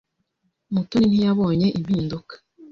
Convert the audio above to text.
Mutoni ntiyabonye impinduka.